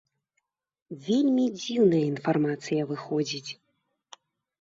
Вельмі дзіўная інфармацыя выходзіць.